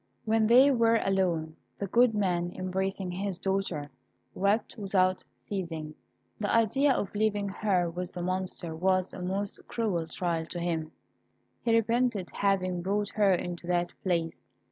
When they were alone, the good man, embracing his daughter, wept without ceasing. The idea of leaving her with the Monster was a most cruel trial to him. He repented having brought her into that place.